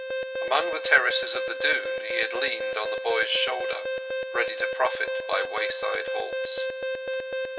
Among the terraces of the Doon he had leaned on the boy's shoulder, ready to profit by wayside halts.